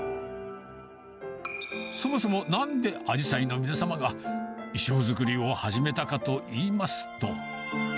そもそも、なんであじさいの皆様が衣装作りを始めたかといいますと。